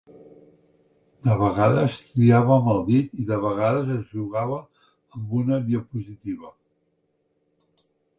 De vegades triava amb el dit i de vegades es jugava amb una diapositiva.